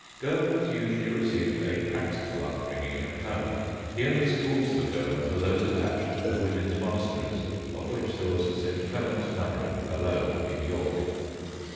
Girls usually received a practical upbringing at home. The only schools for girls were those attached to women's monasteries, of which there was St. Clement's Nunnery alone in York.